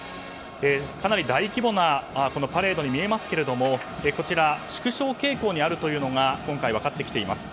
かなり大規模なパレードに見えますけど縮小傾向にあるというのが今回、分かってきています。